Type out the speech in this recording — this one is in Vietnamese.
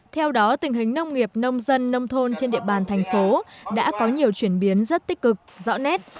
theo đó tình hình nông nghiệp nông dân nông thôn trên địa bàn thành phố đã có nhiều chuyển biến rất tích cực rõ nét